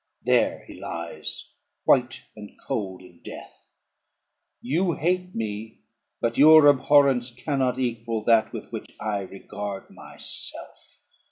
There he lies, white and cold in death. You hate me; but your abhorrence cannot equal that with which I regard myself.